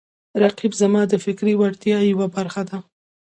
رقیب زما د فکري وړتیاو یوه برخه ده